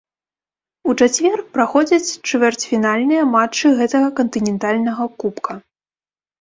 У чацвер праходзяць чвэрцьфінальныя матчы гэтага кантынентальнага кубка.